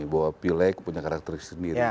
bahwa pileg punya karakter sendiri